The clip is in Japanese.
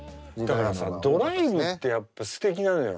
だからさドライブってやっぱすてきなのよ。